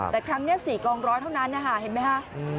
แต่ครั้งนี้๔กองร้อยเท่านั้นนะคะเห็นไหมคะ